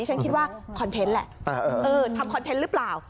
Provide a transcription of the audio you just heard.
ฉันคิดว่าคอนเทนต์แหละทำคอนเทนต์หรือเปล่า